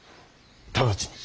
ただちに。